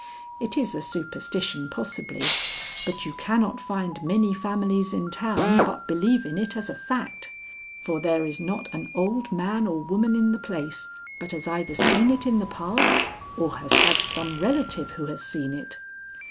It is a superstition, possibly, but you cannot find many families in town but believe in it as a fact, for there is not an old man or woman in the place but has either seen it in the past or has had some relative who has seen it.